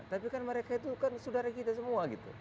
tapi mereka itu kan saudara kita semua